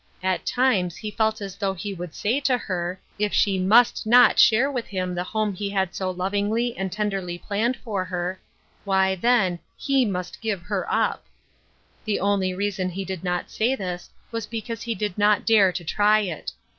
At limes he felt as though he would say to her, if she " must not " share with him the home he had so lovingly and tenderly planned for her, why, then, he must give her up. The only rea son that he did not say this, was because he did not dare to try it.